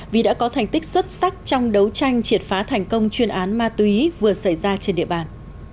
vì đã có thành tích xuất sắc trong đấu tranh triệt phá thành công chuyên án ma túy vừa xảy ra trên địa bàn